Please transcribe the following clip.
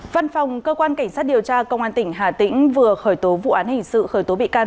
văn phòng cơ quan cảnh sát điều tra công an tỉnh hà tĩnh vừa khởi tố vụ án hình sự khởi tố bị can